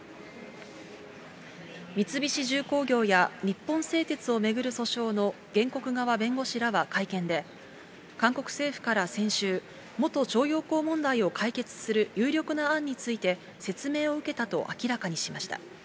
三菱重工業や日本製鉄を巡る訴訟の原告側弁護士らは会見で、韓国政府から先週、元徴用工問題を解決する有力な案について、説明を受けたと明らかにしました。